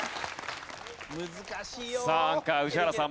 さあアンカー宇治原さん